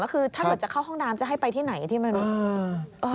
คือถ้าเกิดจะเข้าห้องน้ำจะให้ไปที่ไหนที่ไม่รู้